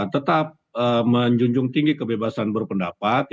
tetap menjunjung tinggi kebebasan berpendapat